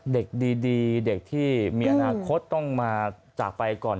เด็กดีเด็กที่มีอนาคตต้องมาจากไปก่อน